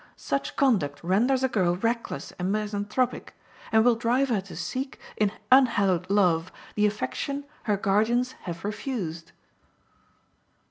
Such conduct renders a girl reckless and misanthropic, and will drive her to seek, in unhallowed love, the affection her guardians have refused.